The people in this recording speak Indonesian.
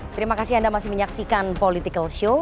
terima kasih anda masih menyaksikan political show